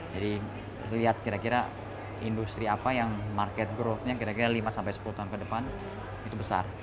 jadi lihat kira kira industri apa yang market growth nya kira kira lima sampai sepuluh tahun ke depan itu besar